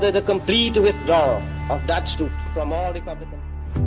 dan memang lintas rahasia antaradiko britster